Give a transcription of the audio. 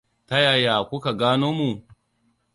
Ta yaya ku ka gano mu?